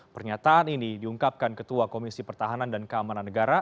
pernyataan ini diungkapkan ketua komisi pertahanan dan keamanan negara